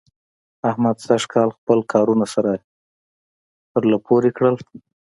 احمد سږکال خپل کارونه سره پرله پورې کړل.